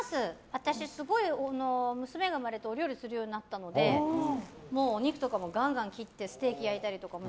私すごい娘が生まれてお料理するようになったのでもう、お肉とかもガンガン切ってステーキ焼いたりとかも。